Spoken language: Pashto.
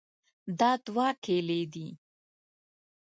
دا دوه کیلې دي.